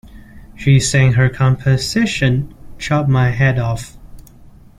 She sang her composition, "Chop My Head Off".